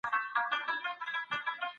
هر ټولنپوه په خپله ځانګړې ساحه کې کار کوي.